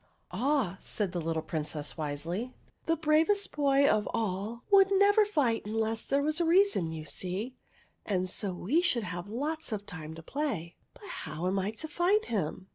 " "Ah/Vsaid the little Princess, wisely, "the bravest boy of all would never fight unless there was a reason, you see ; and so we should have lots of time to play. But how am I to find him